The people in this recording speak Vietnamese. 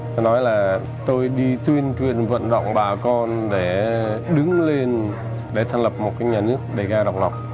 nó nói là tôi đi tuyên truyền vận động bà con để đứng lên để thành lập một nhà nước đề ga độc lộc